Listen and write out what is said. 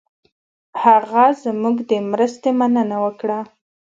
هغه زموږ د مرستې مننه وکړه.